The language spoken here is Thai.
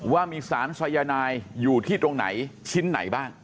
ว่ามีสารสายนายอยู่ที่ตรงไหนชิ้นไหนบ้าง